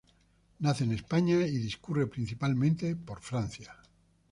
Nace en España y discurre principalmente por Francia.